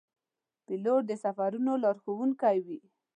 پیلوټ د سفرونو لارښوونکی وي.